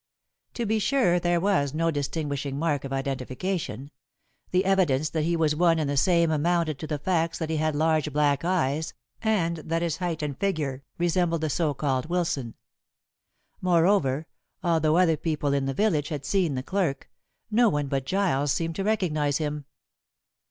To be sure there was no distinguishing mark of identification; the evidence that he was one and the same amounted to the facts that he had large black eyes, and that his height and figure resembled the so called Wilson. Moreover, although other people in the village had seen the clerk, no one but Giles seemed to recognize him.